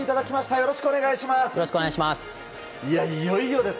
よろしくお願いします。